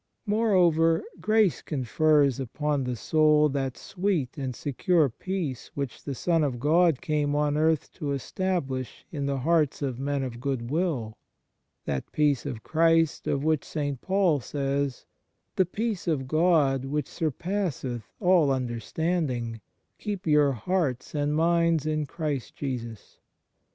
Moreover, grace confers upon the soul that sweet and secure peace which the Son of God came on earth to establish in the hearts of men of good will that peace of Christ of which St. Paul says: "The peace of God, which surpasseth all under standing, keep your hearts and minds in Christ Jesus."